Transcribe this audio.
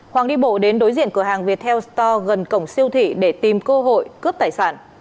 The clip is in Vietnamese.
hoàng đi bộ đến đối diện cửa hàng viettel store gần cổng siêu thị để tìm cơ hội cướp tài sản